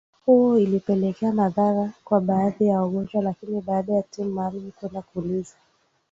huo ilipelekea madhara kwa baadhi ya wagonjwa Lakini baada ya timu maalum kwenda kuuliza